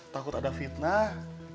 takut ada fitnah